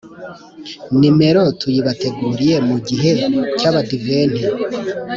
nimero tuyibateguriye mu gihe cy’adventi.